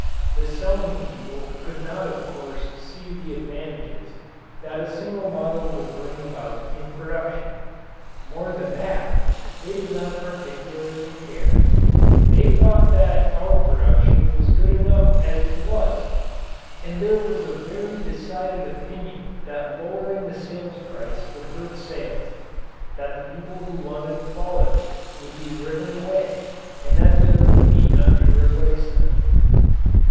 The selling people could not of course see the advantages that a single model would bring about in production. More than that, they did not particularly care. They thought that our production was good enough as it was and there was a very decided opinion that lowering the sales price would hurt sales, that the people who wanted quality would be driven away and that there would be none to replace them.